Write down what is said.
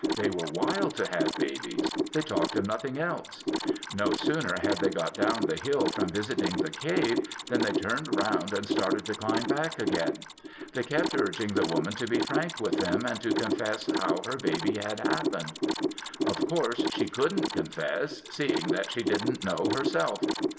They were wild to have babies. They talked of nothing else. No sooner had they got down the hill from visiting the cave than they turned round and started to climb back again. They kept urging the Woman to be frank with them and to confess how her baby had happened. Of course she couldn't confess, seeing that she didn't know herself.